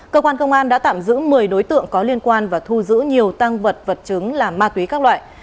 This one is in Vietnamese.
cơ quan công an đã tạm giữ một mươi đối tượng có liên quan và thu giữ nhiều tăng vật vật chứng là ma túy các loại